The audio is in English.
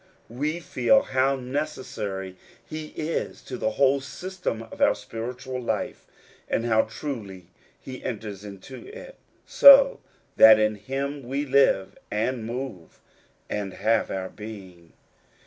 We feel how necessary he is to the whole system of our spiritual life ; and how truly he enters into it, so that in bim we live, and move, and have our being.